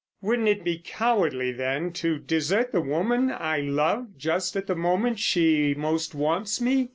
"Wouldn't it be cowardly, then, to desert the woman I love just at the moment she most wants me?